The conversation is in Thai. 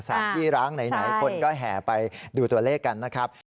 สถานที่ร้างไหนคนก็แห่ไปดูตัวเลขกันนะครับ